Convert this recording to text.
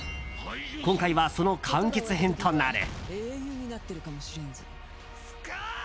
今回はその完結編となる。